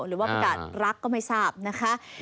หรือว่าประกาศรักก็ไม่ทราบนะคะ